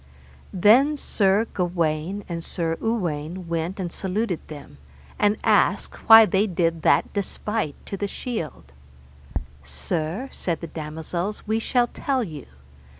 Then Sir Gawaine and Sir Uwaine went and saluted them, and asked why they did that despite to the shield. Sir, said the damosels, we shall tell you.